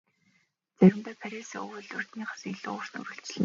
Заримдаа Парисын өвөл урьдынхаас илүү урт үргэлжилнэ.